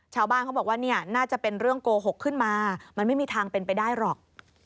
ชาวบ้านเขาบอกว่าเนี่ยน่าจะเป็นเรื่องโกหกขึ้นมามันไม่มีทางเป็นไปได้หรอก